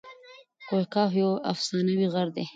کوه قاف یو افسانوي غر دئ.